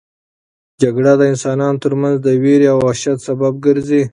جګړه د انسانانو ترمنځ د وېرې او وحشت سبب ګرځي.